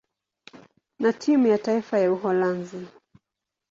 na timu ya taifa ya Uholanzi.